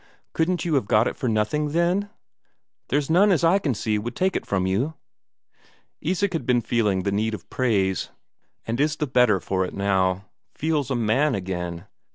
Couldn't you have got it for nothing, then? There's none as I can see would take it from you." Isak had been feeling the need of praise, and is the better for it now. Feels a man again.